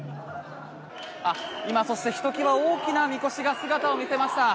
今、そしてひときわ大きなみこしが姿を見せました。